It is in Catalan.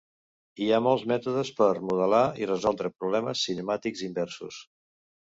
Hi ha molts mètodes per modelar i resoldre problemes cinemàtics inversos.